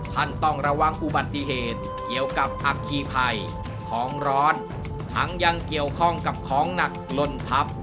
ต้องระวังอุบัติเหตุเกี่ยวกับอัคคีภัยของร้อนทั้งยังเกี่ยวข้องกับของหนักลนทับ